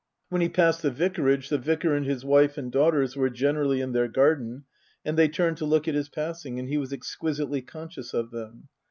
When he passed the Vicarage, the Vicar and his wife and daughters were generally in their garden, and they turned to look at his passing, and he was exquisitely conscious of them.